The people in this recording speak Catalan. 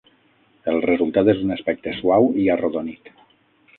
El resultat és un aspecte suau i arrodonit.